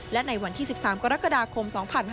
และในวันที่๑๓กรกฎาคม๒๕๕๙